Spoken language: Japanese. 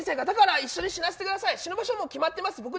だから一緒に死なせてください死ぬ場所決まってます？